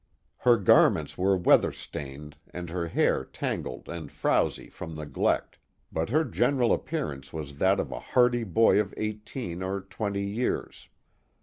Her garments were weather stained and her hair tangled and frowzy from neglect, but her general appear ance was that of a hardy boy of eighteen or twenty years.